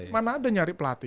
mana ada nyari pelatih